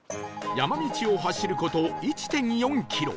山道を走る事 １．４ キロ